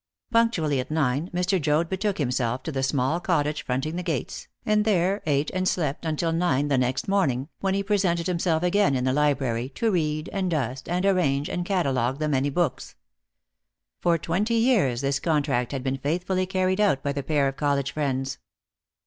Punctually at nine Mr. Joad betook himself to the small cottage fronting the gates, and there ate and slept until nine the next morning, when he presented himself again in the library, to read, and dust, and arrange, and catalogue the many books. For twenty years this contract had been faithfully carried out by the pair of college friends.